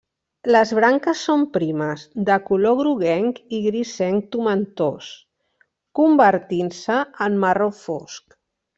Les branques són primes, de color groguenc i grisenc tomentós, convertint-se en marró fosc.